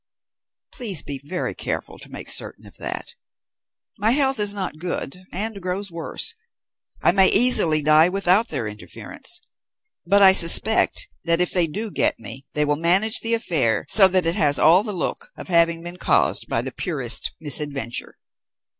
Please be very careful to make certain of that. My health is not good, and grows worse. I may easily die without their interference; but I suspect that, if they do get me, they will manage the affair so that it has all the look of having been caused by the purest misadventure.